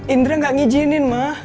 indri gak ngijinin ma